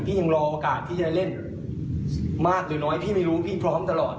ยังรอโอกาสที่จะเล่นมากหรือน้อยพี่ไม่รู้พี่พร้อมตลอด